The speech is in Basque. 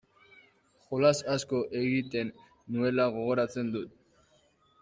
Jolas asko egiten nuela gogoratzen dut.